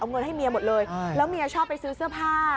เอาเงินให้เมียหมดเลยแล้วเมียชอบไปซื้อเสื้อผ้า